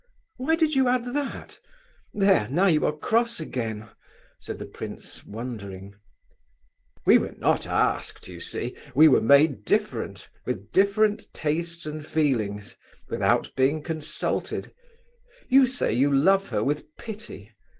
"Why did you add that?—There! Now you are cross again," said the prince, wondering. "We were not asked, you see. We were made different, with different tastes and feelings, without being consulted. You say you love her with pity.